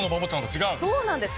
そうなんです。